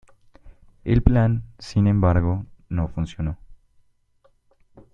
El plan, sin embargo, no funcionó.